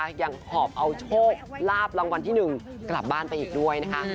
เรียกยังหอบเอาโชคลาโบรางวัลที่หนึ่งกลับยิ่งบ้านไปอีกด้วยนะคะ